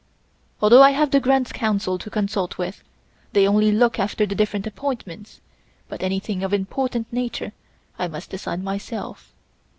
Although I have the Grand Council to consult with, they only look after the different appointments, but anything of an important nature I must decide myself.